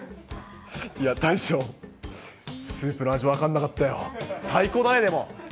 いや、大将、スープの味、分かんなかったよ、最高だよ、でも。